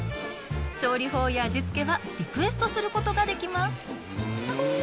調理法や味付けはリクエストすることができます。